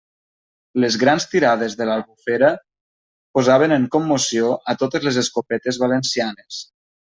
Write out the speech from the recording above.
Les grans tirades de l'Albufera posaven en commoció a totes les escopetes valencianes.